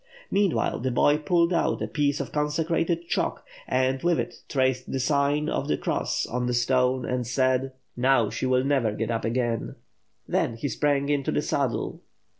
Meanwhile, the boy pulled out a piece of consecrated chalk and with it traced the sign of the cross on the stone and said: WITH FIRE AND liWORD. 657 "Now, she will never get up again." Then he sprang into the saddle.